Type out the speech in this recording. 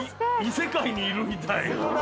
異世界にいるみたい。